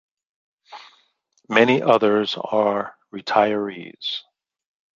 Many others are retirees.